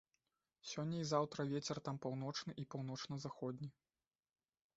Сёння і заўтра вецер там паўночны і паўночна-заходні.